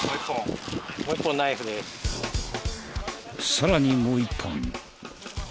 さらにもう一本。